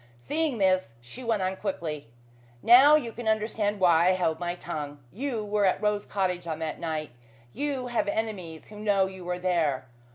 Seeing this, she went on quickly. "Now you can understand why I held my tongue. You were at Rose Cottage on that night. You have enemies who know you were there.